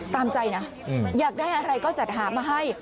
ตามใจนะอยากได้อะไรก็จัดหามาให้